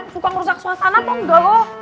suka ngerusak suasana apa enggak lo